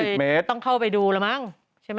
ขุดไป๓๐เมตรใช่ไหมต้องเข้าไปดูแล้วมั้งใช่ไหม